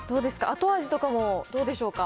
後味とかもどうでしょうか。